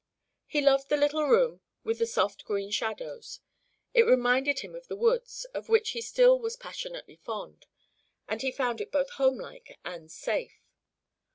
He loved the little room with the soft green shadows; it reminded him of the woods, of which he still was passionately fond; and he found it both homelike and safe.